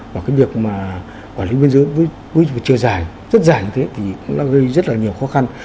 và cái việc mà quản lý biên giới với chiều dài rất dài như thế thì cũng đã gây rất là nhiều khó khăn